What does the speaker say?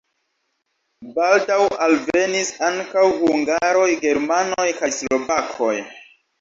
Baldaŭ alvenis ankaŭ hungaroj, germanoj kaj slovakoj.